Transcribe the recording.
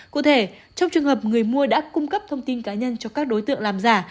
cụ thể trong trường hợp người mua đã cung cấp thông tin cá nhân cho các đối tượng làm giả